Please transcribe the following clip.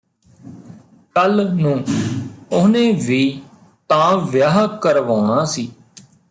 ਕੱਲ੍ਹ ਨੂੰ ਉਹਨੇ ਵੀ ਤਾਂ ਵਿਆਹ ਕਰਵਾਉਣਾ ਸੀ